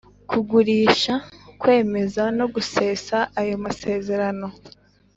kugurisha kwemeza no gusesa ayo masezerano